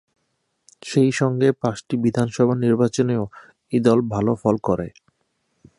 সেই সঙ্গে পাঁচটি বিধানসভা নির্বাচনেও এই দল ভাল ফল করে।